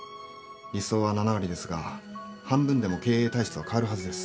理想は７割ですが半分でも経営体質が変わるはずです。